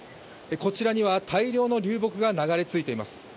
こちらには大量の流木が流れ着いています。